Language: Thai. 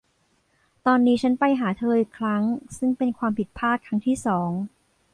ตอนนี้ฉันไปหาเธออีกครั้งซึ่งเป็นความผิดพลาดครั้งที่สอง